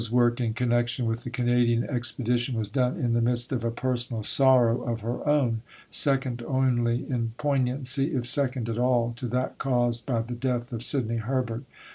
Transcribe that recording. IV Miss Nightingale's work in connection with the Canadian expedition was done in the midst of a personal sorrow of her own, second only in poignancy, if second at all, to that caused by the death of Sidney Herbert.